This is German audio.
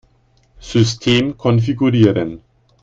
System konfigurieren.